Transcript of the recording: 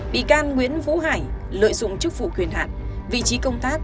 bị can nguyễn vũ hải lợi dụng chức phủ quyền hạn